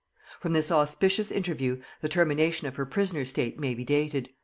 From this auspicious interview the termination of her prisoner state may be dated.